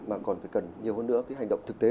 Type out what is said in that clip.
mà còn phải cần nhiều hơn nữa cái hành động thực tế